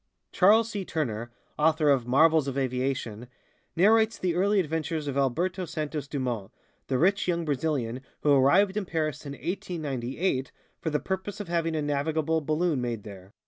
Charles C. Turner, author of "Marvels of Aviation," narrates the early adventures of Alberto Santos Dumont, the rich young Brazilian who arrived in Paris in 1898 for the purpose of having a navigable balloon made there.